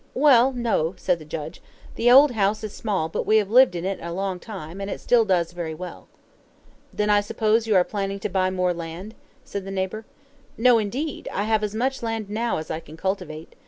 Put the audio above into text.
"Well, no," said the judge. "The old house is small, but we have lived in it a long time, and it still does very well." "Then I suppose you are planning to buy more land?" said the neighbor. "No, indeed, I have as much land now as I can cultivate.